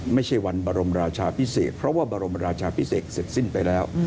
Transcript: ไม่ใช่วันบรมราชาพิเศษเพราะว่าบรมราชาพิเศษเสร็จสิ้นไปแล้ว